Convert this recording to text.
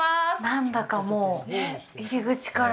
何だか、もう入り口から。